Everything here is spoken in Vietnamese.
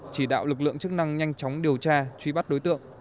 chỉ đạo lực lượng chức năng nhanh chóng điều tra truy bắt đối tượng